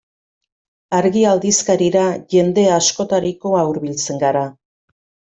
Argia aldizkarira jende askotarikoa hurbiltzen gara.